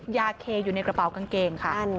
ยาเคอยู่ในกระเป๋ากางเกงค่ะ